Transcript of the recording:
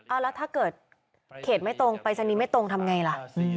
แล้วถ้าเกิดเขตไม่ตรงปรายศนีย์ไม่ตรงทำไงล่ะ